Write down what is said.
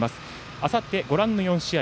あさって、ご覧の４試合。